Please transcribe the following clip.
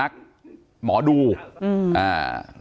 การแก้เคล็ดบางอย่างแค่นั้นเอง